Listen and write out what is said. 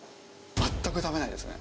全く食べないですね。